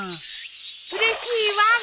うれしいワン！